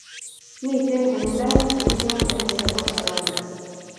mito konyil oeng' tunguyonde nito bo korona